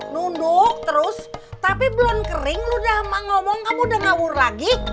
nunduk terus tapi belum kering lu udah ngomong kamu udah ngawur lagi